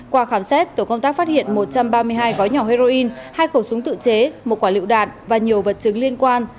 qua khám xét tổ công tác phát hiện một trăm ba mươi hai gói nhỏ heroin hai khẩu súng tự chế một quả liệu đạn và nhiều vật chứng liên quan